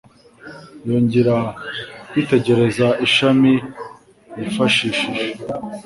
Yongera kwitegereza ishami yifashishije